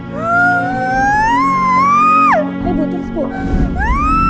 dan lahir dengan sempurna